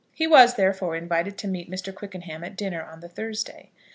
He was, therefore, invited to meet Mr. Quickenham at dinner on the Thursday.